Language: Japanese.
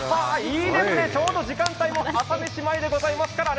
いいですね、ちょうど時間帯も朝飯前でございますからね。